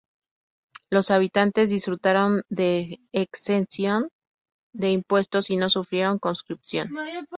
Los habitantes disfrutaron de exención de impuestos y no sufrieron conscripción.